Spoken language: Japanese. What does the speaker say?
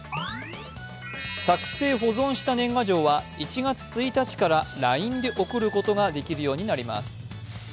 作成・保存した年賀状は１月１日からＬＩＮＥで送ることができるようになります。